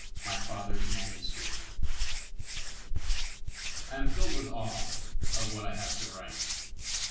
MY FATHER'S MANUSCRIPT I am filled with awe of what I have to write.